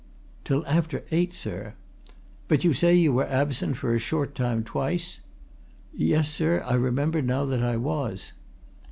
"Till after eight, sir." "But you say you were absent for a short time, twice?" "Yes, sir, I remember now that I was."